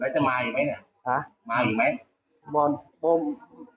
ถ้าไม่มีกินยังไงก็ต้องมาเมืองไทยอีกนั่นแหละ